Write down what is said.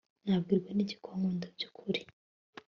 Nabwirwa n iki ko ankunda by ukuri